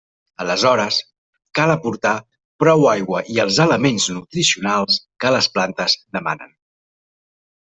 Aleshores cal aportar prou aigua i els elements nutricionals que les plantes demanen.